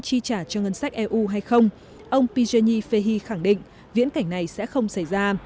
chi trả cho ngân sách eu hay không ông pijani fehi khẳng định viễn cảnh này sẽ không xảy ra